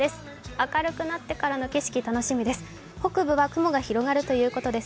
明るくなってからの景色、楽しみです。